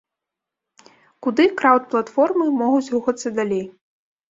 Куды краўд-платформы могуць рухацца далей?